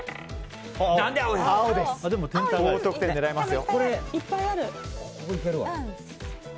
高得点が狙えますよ。